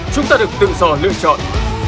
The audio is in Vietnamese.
chúng ta được tự do lựa chọn